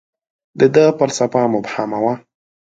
• د ده فلسفه مبهمه وه.